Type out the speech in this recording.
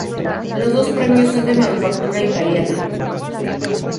Los dos premios son de manufactura italiana.